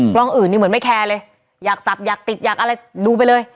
กล้องอื่นนี่เหมือนไม่แคร์เลยอยากจับอยากติดอยากอะไรดูไปเลย